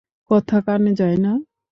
কথা কানে যায় না?